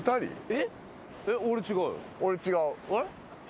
えっ？